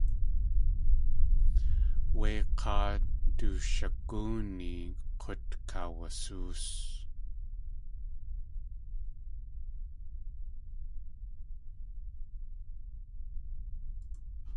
Wé k̲áa du jishagóoni k̲ut kaawasóos.